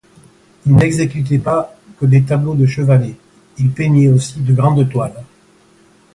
Il n’exécutait pas que des tableaux de chevalet, il peignait aussi de grandes toiles.